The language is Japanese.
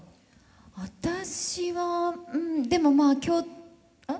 私はんでもまあ今日ん？